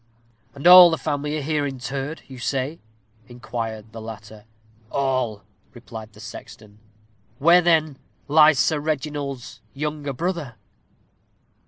"And all the family are here interred, you say?" inquired the latter. "All," replied the sexton. "Where, then, lies Sir Reginald's younger brother?"